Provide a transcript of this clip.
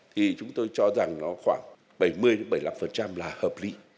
thì chúng tôi cho rằng nó khoảng bảy mươi bảy mươi năm là hợp lý